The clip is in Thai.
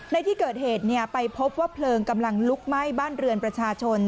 ในที่เกิดเหตุไปพบว่าเพลิงกำลังลุกไหม้บ้านเรือนประชาชน